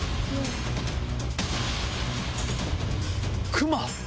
クマ？